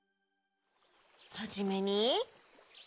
はじめに。